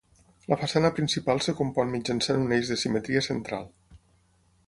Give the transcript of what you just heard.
La façana principal es compon mitjançant un eix de simetria central.